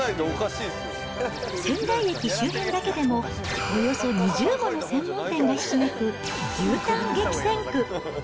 仙台駅周辺だけでも、およそ２０もの専門店がひしめく牛タン激戦区。